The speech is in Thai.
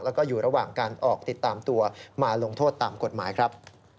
แล้วก็อยู่ระหว่างการออกติดตามตัวมาลงโทษตามกฎหมายครับ